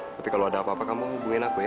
tapi kalau ada apa apa kamu hubungin aku ya